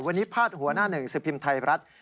วันนี้พาดหัวหน้าหนึ่งสิบพิมพ์ไทยรัฐ